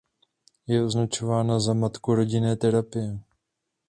Je označována za "matku rodinné terapie".